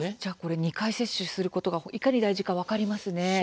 ２回接種することがいかに大事か分かりますね。